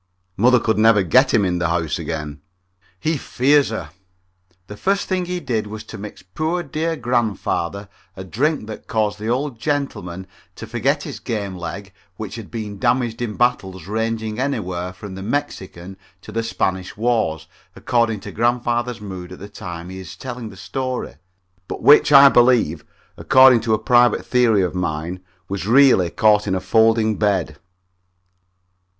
Mother could never get him in the house again. He fears her. The first thing he did was to mix poor dear grandfather a drink that caused the old gentleman to forget his game leg which had been damaged in battles, ranging anywhere from the Mexican to the Spanish wars, according to grandfather's mood at the time he is telling the story, but which I believe, according to a private theory of mine, was really caught in a folding bed.